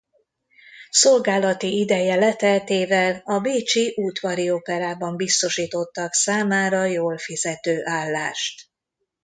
Szolgálati ideje leteltével a bécsi udvari operában biztosítottak számára jól fizető állást.